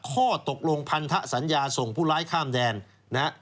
ข้อตกลงพันธสัญญาส่งผู้ร้ายข้ามแดนนะฮะ